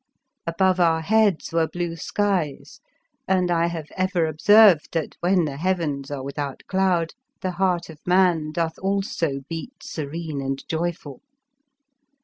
Above our heads were blue skies, and I have ever observed that when the heavens are without cloud the heart of man doth also beat serene and joyful.